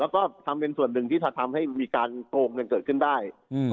แล้วก็ทำเป็นส่วนหนึ่งที่จะทำให้มีการโกงเงินเกิดขึ้นได้